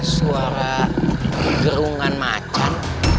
suara gerungan macan